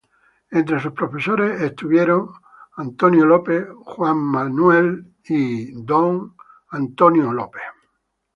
Entre sus profesores estuvieron Donald Griffin, Timothy Flannery y Don E. Wilson.